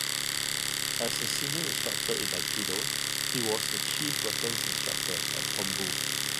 As a senior instructor in Aikido he was the Chief Weapons Instructor at Hombu.